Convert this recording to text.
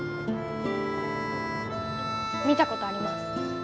見たことあります